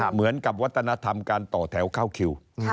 เหมือนกับวัฒนธรรมการต่อแถวเข้าคิว